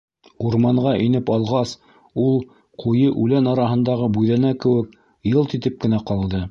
Урманға инеп алғас, ул, ҡуйы үлән араһындағы бүҙәнә кеүек, йылт итеп кенә ҡалды.